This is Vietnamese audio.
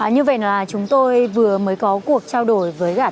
như vậy là chúng tôi vừa mới có cuộc trao đổi